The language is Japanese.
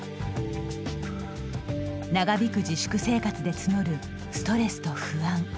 長引く自粛生活で募るストレスと不安。